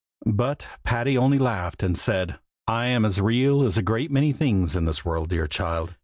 But Patty only laughed and said, "I am as real as a great many things in this world, dear child!